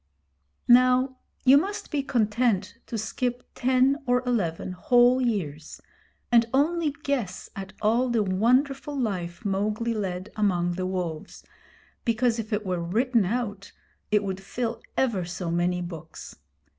Now you must be content to skip ten or eleven whole years, and only guess at all the wonderful life Mowgli led among the wolves, because if it were written out it would fill ever so many books.